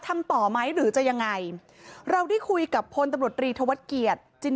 ทำต่อไหมหรือจะยังไง